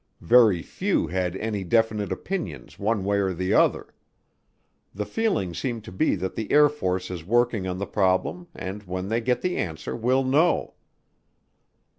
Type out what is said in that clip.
Very few had any definite opinions one way or the other. The feeling seemed to be that the Air Force is working on the problem and when they get the answer we'll know.